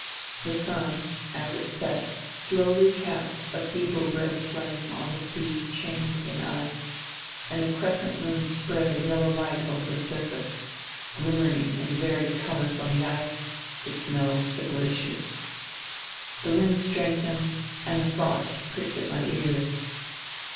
The sun, as it set, slowly cast a 198 FUTILITY feeble red flame on the sea chained in ice, and the crescent moon spread a yellow light over the surface, glimmering in varied colours on the ice, the snow, the glaciers. The wind strengthened and the frost pricked at my ears.